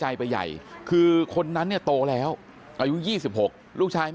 อายุ๑๐ปีนะฮะเขาบอกว่าเขาก็เห็นถูกยิงนะครับ